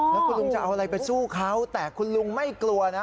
แล้วคุณลุงจะเอาอะไรไปสู้เขาแต่คุณลุงไม่กลัวนะ